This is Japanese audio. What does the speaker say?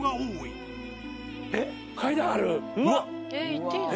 行っていいの？